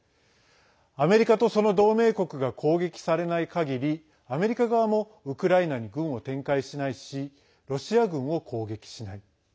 アメリカとその同盟国が攻撃されない限りアメリカ側もウクライナに軍を展開しないしロシア軍を攻撃しない。